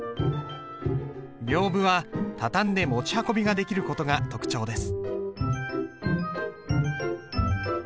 屏風は畳んで持ち運びができる事が特徴です。